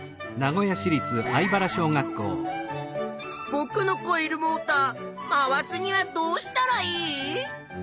ぼくのコイルモーター回すにはどうしたらいい？